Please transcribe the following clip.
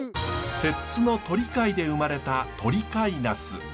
摂津の鳥飼で生まれた鳥飼ナス。